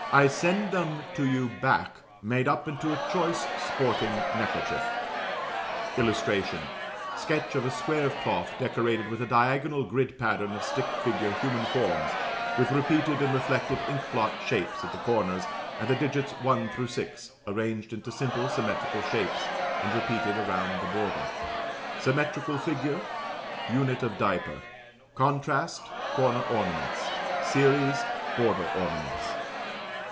I send them to you back, made up into a choice sporting neckerchief:" [Illustration: Sketch of a square of cloth decorated with a diagonal grid pattern of stick figure human forms, with repeated and reflected ink blot shapes at the corners and the digits 1 through 6 arranged into simple symmetrical shapes and repeated around the border.] Symmetrical figure Unit of diaper. Contrast Corner ornaments. Series Border ornaments.